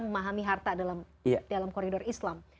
memahami harta dalam koridor islam